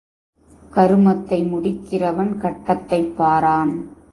கருமத்தை முடிக்கிறவன் கட்டத்தைப் பாரான்.